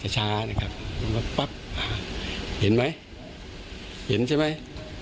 ช้านะครับปั๊บเห็นไหมเห็นใช่ไหม